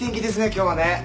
今日はね。